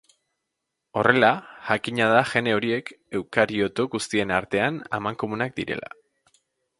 Horrela, jakina da gene horiek eukarioto guztien artean amankomunak direla.